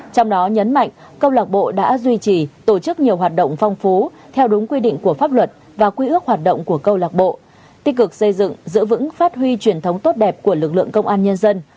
trong đó nhấn mạnh công lạc bộ đã duy trì tổ chức nhiều hoạt động phong phú theo đúng quy định của pháp luật và quy ước hoạt động của câu lạc bộ tích cực xây dựng giữ vững phát huy truyền thống tốt đẹp của lực lượng công an nhân dân